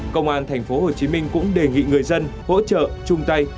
công an tp hcm cũng đề nghị người dân hỗ trợ chung tay